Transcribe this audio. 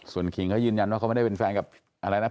ส่วนขิงเขายืนยันว่าเขาไม่ได้เป็นแฟนกับอะไรนะ